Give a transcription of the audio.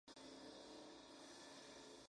Eberhard en Stuttgart.